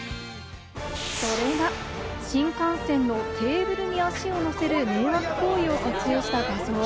それが新幹線のテーブルに足を乗せる迷惑行為を撮影した画像。